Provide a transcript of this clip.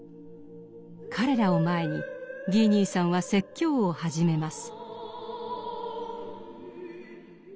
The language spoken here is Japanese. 彼らを前にギー兄さんは説教を始めます。